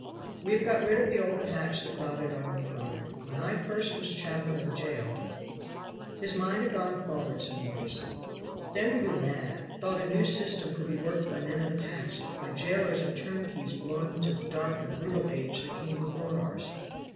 "We have got rid of the old patch that rotted our new garment. When I first was chaplain of a jail " His mind had gone forward some years. "Then we were mad thought a new system could be worked by men of the past, by jailers and turnkeys belonging to the dark and brutal age that came before ours.